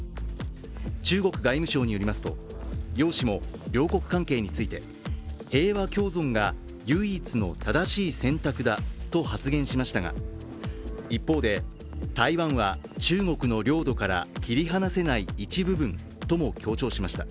中国外務省によりますと楊氏も両国関係について平和共存が唯一の正しい選択だと発言しましたが一方で、台湾は中国の領土から切り離せない一部分とも強調しました。